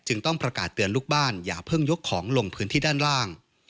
ต้องประกาศเตือนลูกบ้านอย่าเพิ่งยกของลงพื้นที่ด้านล่าง